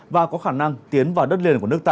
và có khả năng tiến vào đất liền của nước ta